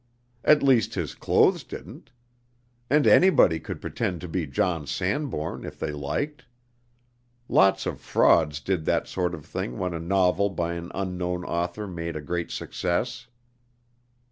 At least his clothes didn't. And anybody could pretend to be John Sanbourne if they liked. Lots of frauds did that sort of thing when a novel by an unknown author made a great success.